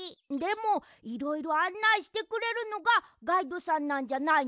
でもいろいろあんないしてくれるのがガイドさんなんじゃないの？